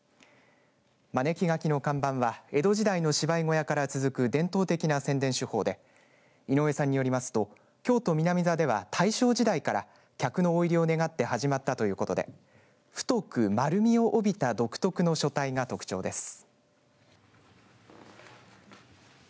まねき書きの看板は江戸時代の芝居小屋から続く伝統的な宣伝手法で井上さんによりますと京都南座では大正時代から客の大入りを願って始まったということで太く丸みを帯びた独特の書体が特徴です。